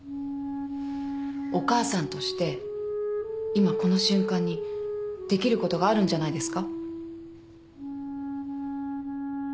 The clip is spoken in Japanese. お母さんとして今この瞬間にできることがあるんじゃないですか。